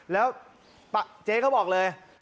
แล้วเจ๊เขาบอกเลย